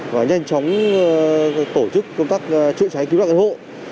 và nhanh chóng tổ chức công tác chữa cháy kiếm đoạn gây hộ